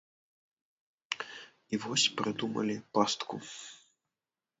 І вось прыдумалі пастку.